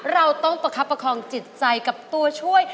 เราต้องประคับประคองจิตใจกับตัวช่วย